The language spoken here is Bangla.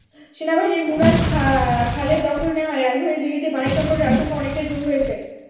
সেনাবাহিনী মুনাক খালের দখল নেওয়ায় রাজধানী দিল্লিতে পানি-সংকটের আশঙ্কা অনেকটাই দূর হয়েছে।